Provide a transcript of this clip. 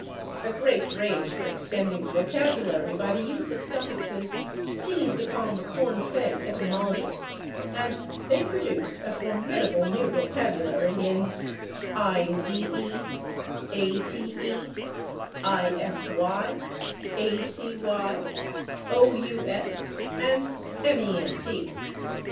A great rage for extending the vocabulary by the use of suffixes seized upon [Pg077] the corn fed etymologists, and they produced a formidable new vocabulary in / ize/, / ate/, / ify/, / acy/, / ous/ and / ment